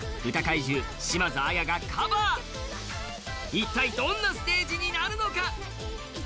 一体どんなステージになるのか？